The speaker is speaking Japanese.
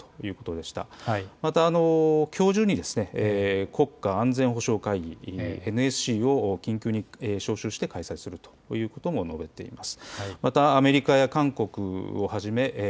また、きょう中に国家安全保障会議・ＮＳＣを緊急に招集して開催するとも述べています。